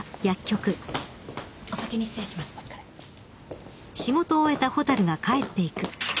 お先に失礼します。